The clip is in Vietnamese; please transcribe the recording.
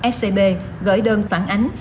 scb gửi đơn phản ánh